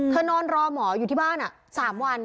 นอนรอหมออยู่ที่บ้าน๓วัน